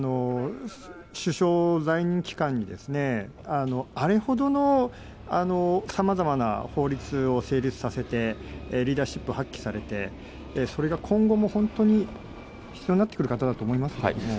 首相在任期間に、あれほどのさまざまな法律を成立させて、リーダーシップを発揮されて、それが今後も本当に必要になってくる方だと思いますよね。